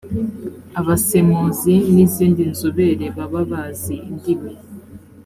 abasemuzi n ‘izindi nzobere bababazi indimi.